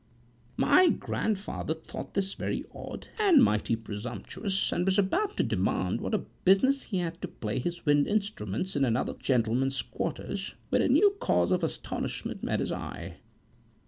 My grandfather thought this very odd, and mighty presumptuous, and was about to demand what business he had to play his wind instruments in another gentleman's quarters, when a new cause of astonishment met his eye.